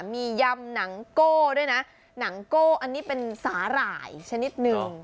มียำหนังโก้ด้วยนะหนังโก้อันนี้เป็นสาหร่ายชนิดหนึ่ง